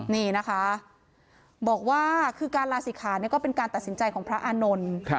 นี่นะคะบอกว่าคือการลาศิขาเนี่ยก็เป็นการตัดสินใจของพระอานนท์